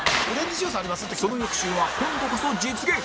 その翌週は今度こそ実現！